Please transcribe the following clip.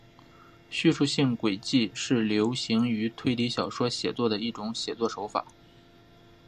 叙述性诡计是流行于推理小说写作的一种写作手法。